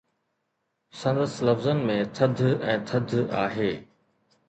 سندس لفظن ۾ ٿڌ ۽ ٿڌ آهي